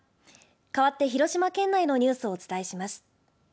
かわって広島県内のニュースをお伝えします。